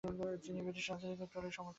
তিনি ব্রিটিশ রাজনৈতিক দল টরি'র সমর্থক ছিলেন।